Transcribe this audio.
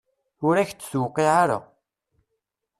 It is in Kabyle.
Ur ak-d-tuqiɛ ara.